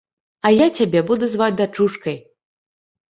А я цябе буду зваць дачушкай.